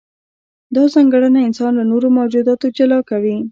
دا ځانګړنه انسان له نورو موجوداتو جلا کوي.